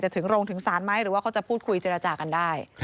ถึงโรงถึงศาลไหมหรือว่าเขาจะพูดคุยเจรจากันได้